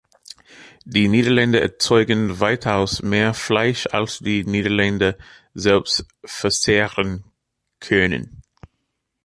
Die Niederlande erzeugen weitaus mehr Fleisch als die Niederländer selbst verzehren können.